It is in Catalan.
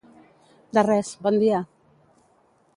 De res, bon dia!